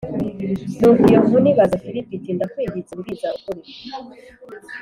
Nuko iyo nkone ibaza Filipo iti ndakwinginze mbwiza ukuri